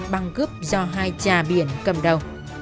băng gấp do hai trà biển cầm đầu